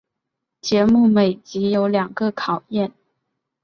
节目每集有两个考验。